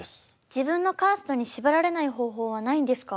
自分のカーストに縛られない方法はないんですか？